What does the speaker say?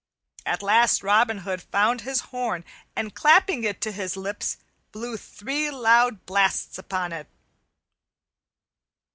At last Robin Hood found his horn and clapping it to his lips, blew three loud blasts upon it.